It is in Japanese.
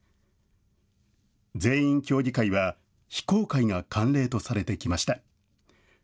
全員協議会は、非公開が慣例とされてきました。